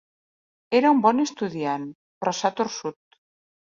Era un bon estudiant, però s'ha torçut.